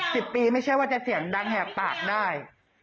สิบปีไม่ใช่ว่าจะเสียงดังแหบปากได้